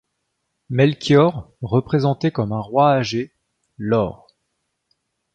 Melchior, représenté comme un roi âgé, l'or.